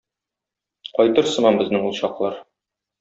Кайтыр сыман безнең ул чаклар.